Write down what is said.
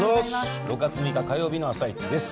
６月６日火曜日の「あさイチ」です。